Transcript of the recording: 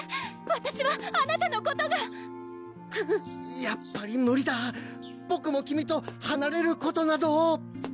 わたしはあなたのことがくっやっぱり無理だボクも君とはなれることなど！